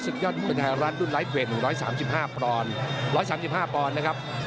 สัตยอดบนไทยรัฐดุ่นไลฟ์เวทหนึ่งร้อยสามสิบห้าปรณร้อยสามสิบห้าปรณนะครับ